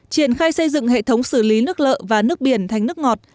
triển khai xây dựng hệ thống xử lý nước lợ và nước biển thành nước ngọt